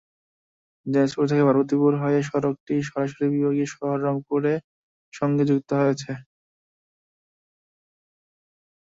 দিনাজপুর থেকে পার্বতীপুর হয়ে সড়কটি সরাসরি বিভাগীয় শহর রংপুরের সঙ্গে যুক্ত হয়েছে।